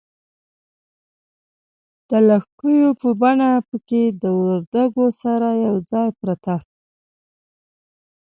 د لږکیو په بڼه پکښې د وردگو سره یوځای پرته